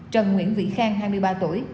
trần nguyễn vĩ khang hai mươi ba tuổi